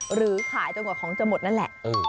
หรือขายจนกว่าของจะหมดนั่นแหละ